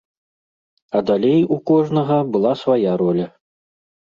А далей у кожнага была свая роля.